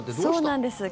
そうなんです。